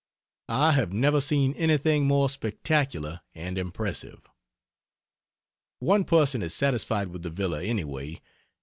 I have never seen anything more spectacular and impressive. One person is satisfied with the villa, anyway.